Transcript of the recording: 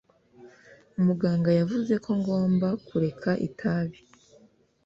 Muganga yavuze ko ngomba kureka itabi